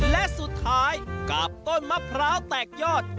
และสุดท้ายกับต้นมะพร้าวแตกยอด